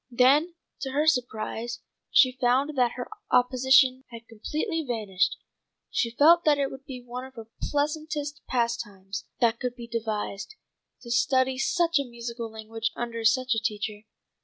Then to her surprise she found that her opposition had completely vanished. She felt that it would be one of the pleasantest pastimes that could be devised, to study such a musical language under such a teacher.